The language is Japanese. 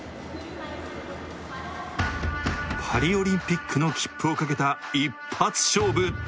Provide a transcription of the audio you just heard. パリオリンピックの切符をかけた一発勝負。